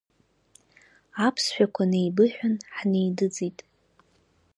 Аԥсшәақәа неибыҳәан, ҳнеидыҵит.